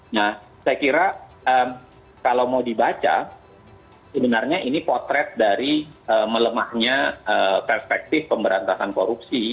nah saya kira kalau mau dibaca sebenarnya ini potret dari melemahnya perspektif pemberantasan korupsi